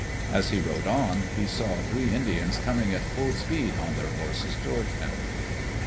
As he rode on, he saw three Indians coming at full speed on their horses toward him.